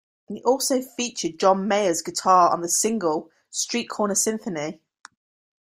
It also features John Mayer's guitar on the single "Streetcorner Symphony".